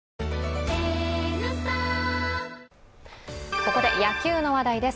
ここで野球の話題です。